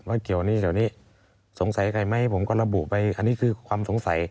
เกี่ยวนี่เดี๋ยวนี้สงสัยใครไหมผมก็ระบุไปอันนี้คือความสงสัย